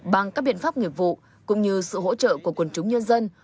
bằng các biện pháp nghiệp vụ cũng như sự hỗ trợ của quần chúng nhân dân